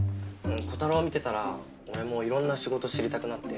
コタロー見てたら俺もいろんな仕事知りたくなって。